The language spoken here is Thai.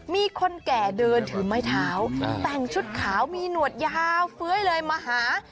มีคนแก่เดินถือไม้เท้าแต่งชุดขาวมีหนวดยาวเฟ้ยเลยมาหา